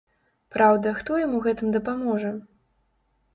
Праўда, хто ім у гэтым дапаможа?